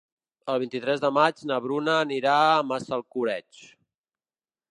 El vint-i-tres de maig na Bruna anirà a Massalcoreig.